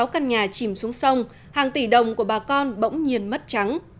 một mươi sáu căn nhà chìm xuống sông hàng tỷ đồng của bà con bỗng nhiên mất trắng